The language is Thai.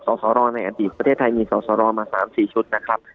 สสรในอดีตประเทศไทยมีสอสรมา๓๔ชุดนะครับ